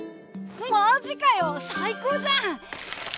マジかよ最高じゃん！